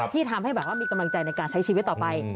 ที่ทำให้แบบว่ามีกำลังใจในการใช้ชีวิตต่อไป